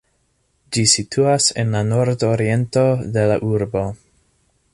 Ĝi situas en la nordoriento de la urbo.